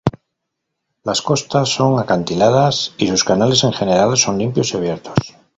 Las costas son acantiladas y sus canales, en general son limpios y abiertos.